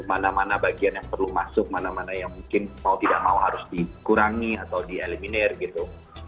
mana mana bagian yang perlu masuk mana mana yang mungkin mau tidak mau harus dikurangi atau dieliminir gitu